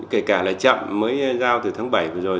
kể cả là chậm mới giao từ tháng bảy vừa rồi